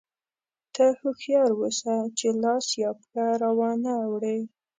ته هوښیار اوسه چې لاس یا پښه را وانه وړې.